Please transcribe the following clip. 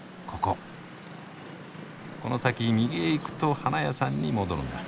この先右へ行くと花屋さんに戻るんだ。